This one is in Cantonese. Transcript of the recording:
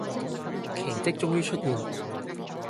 奇蹟終於出現